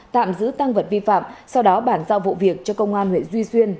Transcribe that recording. tạm giữ tăng vật vi phạm sau đó bản giao vụ việc cho công an huyện duy xuyên